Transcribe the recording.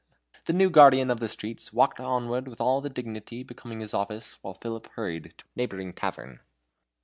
The new guardian of the streets walked onward with all the dignity becoming his office, while Philip hurried to a neighboring tavern.